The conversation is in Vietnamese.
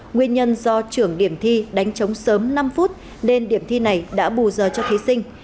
nguyên nhân do trưởng điểm thi đánh trống sớm năm phút nên điểm thi này đã bù giờ cho thí sinh